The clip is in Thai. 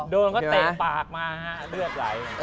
โดนก็เตะปากมาฮะเลือดไหล